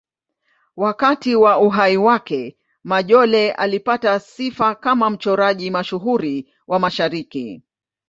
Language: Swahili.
Wakati wa uhai wake, Majolle alipata sifa kama mchoraji mashuhuri wa Mashariki.